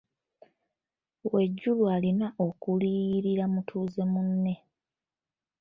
Wejuru alina okuliyirira mutuuze munne.